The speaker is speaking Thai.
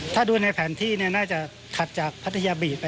ถ้าดูในแผนที่น่าจะถัดจากพัทยาบีไป